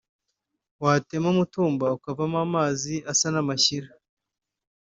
watema umutumba ukavamo amazi asa n’amashyira